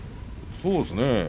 そうですね。